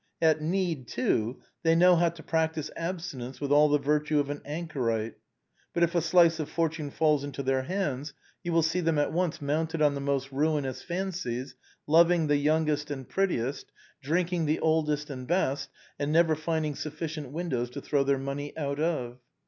At need, too, they know how to practice abstinence with all the virtue of an anchorite, but if a slice of fortune falls into their hands you will see them at once mounted on the most ruinous fancies, loving the youngest and prettiest, drinking the oldest and best, and never finding sufficient windows to throw their money out OEIGINAL PREFACE. xliii of.